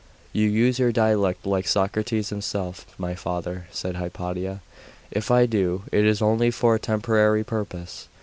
'You use your dialectic like Socrates himself, my father,' said Hypatia. 'If I do, it is only for a temporary purpose.